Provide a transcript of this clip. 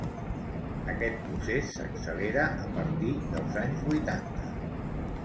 Aquest procés s'accelera a partir dels anys vuitanta.